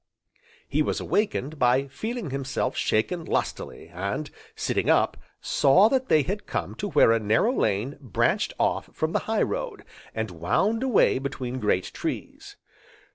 He was awakened by feeling himself shaken lustily, and, sitting up, saw that they had come to where a narrow lane branched off from the high road, and wound away between great trees.